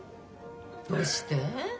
どうして？